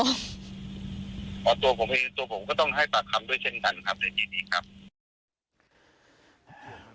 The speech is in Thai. ตัวผมก็ต้องให้ปากคำด้วยเช่นกันครับอย่างนี้ครับ